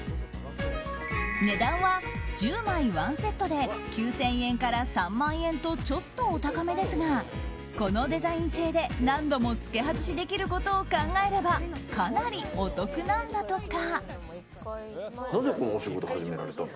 値段は１０枚１セットで９０００円から３万円とちょっとお高めですがこのデザイン性で何度もつけ外しできることを考えればかなりお得なんだとか。